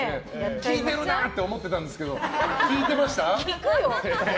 聞いてるなって思ってたんですけど聞くよ！